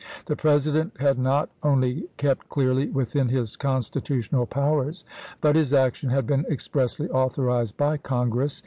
The President had not only kept clearly within his Constitutional powers, but his action had been expressly authorized by Congress.